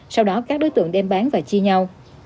sau đó các đối tượng đem bán và chia nhau